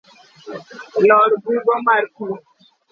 Lor bugo mar pi.